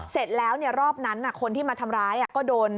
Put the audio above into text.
เสร็จแล้วรอบนั้นคนที่มาทำร้ายก็โดน